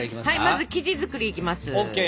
まず生地作りいきます！ＯＫ。